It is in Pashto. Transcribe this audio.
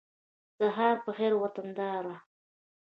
سهار په خېر وطنداره